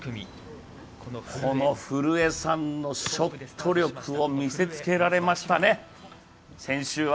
この古江さんのショット力を見せつけられましたね、先週は。